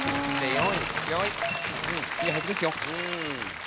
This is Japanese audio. ４位いいはずですよ。